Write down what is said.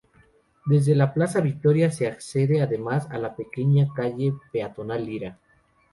Desde la Plaza Victoria se accede además a la pequeña calle peatonal Lira.